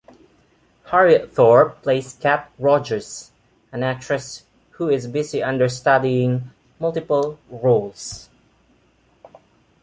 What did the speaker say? Harriet Thorpe plays Cat Rogers, an actress who is busy understudying multiple roles.